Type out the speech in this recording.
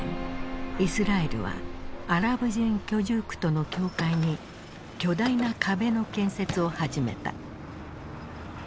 イスラエルはアラブ人居住区との境界に巨大な壁の建設を始めた。